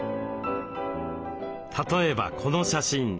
例えばこの写真。